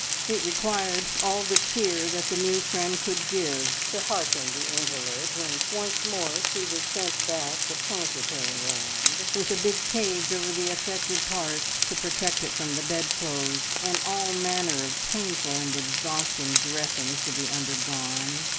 It required all the cheer that the new friend could give to hearten the invalid when once more she was sent back to counterpane land, with a big cage over the affected part to protect it from the bedclothes, and all manner of painful and exhausting dressings to be undergone.